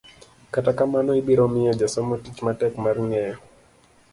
kata kamano, ibiro miyo jasomo tich matek mar ng'eyo